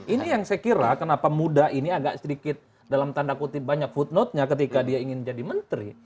ini yang saya kira kenapa muda ini agak sedikit dalam tanda kutip banyak footnote nya ketika dia ingin jadi menteri